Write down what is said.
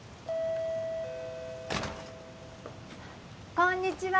こんにちは